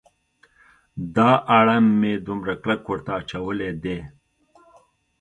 دا اړم مې دومره کلک ورته اچولی دی.